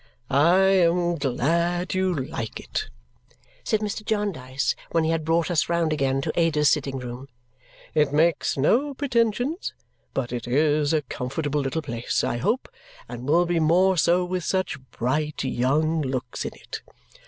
"I am glad you like it," said Mr. Jarndyce when he had brought us round again to Ada's sitting room. "It makes no pretensions, but it is a comfortable little place, I hope, and will be more so with such bright young looks in it.